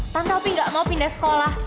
tante opi gak mau pindah sekolah